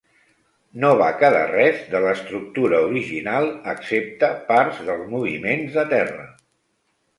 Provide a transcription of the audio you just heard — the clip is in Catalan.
No va quedar res de l'estructura original excepte parts dels moviments de terra.